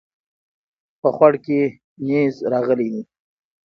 په خوړ کې نيز راغلی دی